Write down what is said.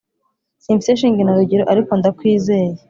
Simfite shinge na rugero ariko ndakwizeye